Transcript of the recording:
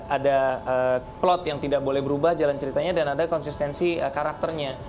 ada plot yang tidak boleh berubah jalan ceritanya dan ada konsistensi karakternya